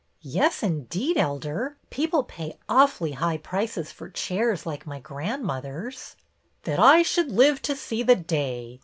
" Yes, indeed, Elder. People pay awfully high prices for chairs like my grandmother's." " That I should live to see the day